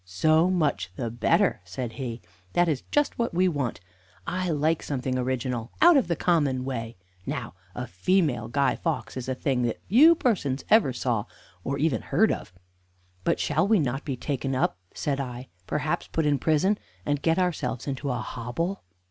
"So much the better," said he; "that is just what we want. I like something original, out of the common way. Now, a female Guy Fawkes is a thing that few persons ever saw, or even heard of." "But shall we not be taken up," said I, "perhaps put in prison, and get ourselves into a hobble?"